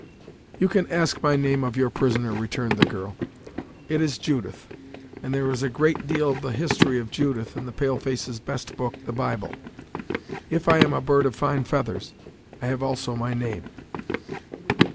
"You can ask my name of your prisoner," returned the girl. "It is Judith; and there is a great deal of the history of Judith in the pale face's best book, the Bible. If I am a bird of fine feathers, I have also my name."